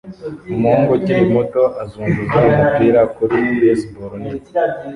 Umuhungu ukiri muto azunguza umupira kuri baseball nini